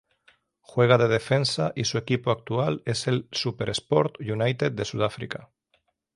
Juega de defensa y su equipo actual es el SuperSport United de Sudáfrica.